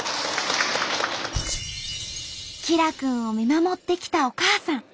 きらくんを見守ってきたお母さん。